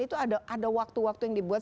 itu ada waktu waktu yang dibuat